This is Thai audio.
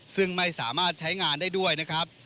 ซึ่งไม่สามารถใช้งานได้ด้วยนะครับ